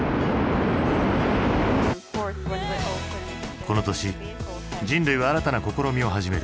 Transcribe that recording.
この年人類は新たな試みを始める。